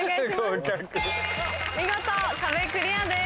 見事壁クリアです。